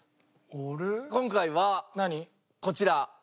今回はこちら。